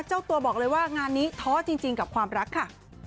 เจ้าตัวบอกเลยว่างานนี้ท้อจริงกับความรักค่ะ